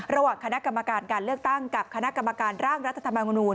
ระหว่างคณะกรรมการการเลือกตั้งกับคณะกรรมการร่างรัฐธรรมนูล